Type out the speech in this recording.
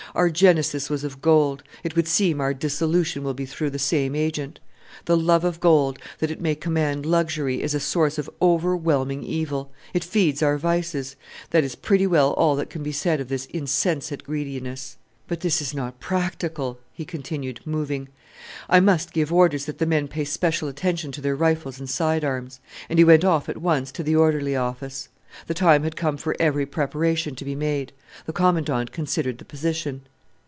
Our genesis was of gold; it would seem our dissolution will be through the same agent! The love of gold, that it may command luxury, is a source of overwhelming evil: it feeds our vices that is pretty well all that can be said of this insensate greediness. But this is not practical!" he continued, moving. "I must give orders that the men pay special attention to their rifles and side arms;" and he went off at once to the orderly office. The time had come for every preparation to be made. The Commandant considered the position.